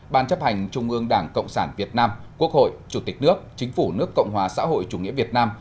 ban chấp hành trung ương đảng cộng sản việt nam quốc hội chủ tịch nước chính phủ nước cộng hòa xã hội chủ nghĩa việt nam